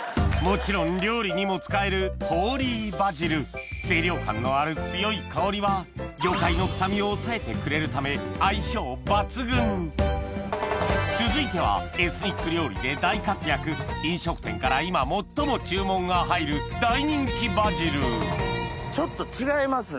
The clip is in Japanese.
もちろん清涼感のある強い香りはため相性抜群続いてはエスニック料理で大活躍飲食店から今最も注文が入る大人気バジルちょっと違いますね。